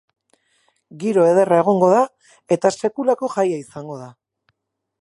Giro ederra egongo da, eta sekulako jaia izango da.